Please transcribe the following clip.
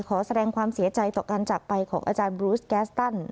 ขอแสดงความเสียใจต่อการจากไปของอาจารย์บรูสแกสตัน